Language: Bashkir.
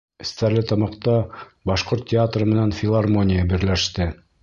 Стәрлетамаҡта башҡорт театры менән филармония берләште